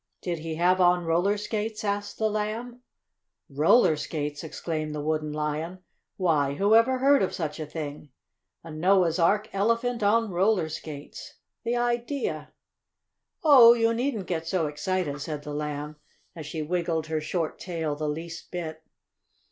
"Did he have on roller skates?" asked the Lamb. "Roller skates!" exclaimed the Wooden Lion. "Why! who ever heard of such a thing? A Noah's Ark Elephant on roller skates! The idea!" "Oh, you needn't get so excited," said the Lamb, as she wiggled her short tail the least bit.